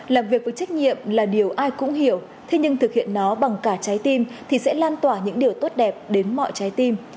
làm việc với trách nhiệm là điều ai cũng hiểu thế nhưng thực hiện nó bằng cả trái tim thì sẽ lan tỏa những điều tốt đẹp đến mọi trái tim